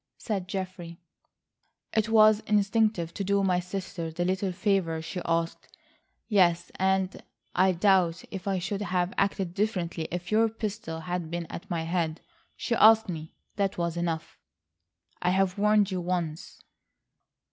said Geoffrey. "It was instinctive to do my sister the little favour she asked. Yes, and I doubt if I should have acted differently if your pistol had been at my head. She asked me. That was enough." "I've warned you once."